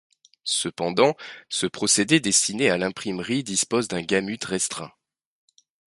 Cependant, ce procédé destiné à l'imprimerie dispose d'un gamut restreint.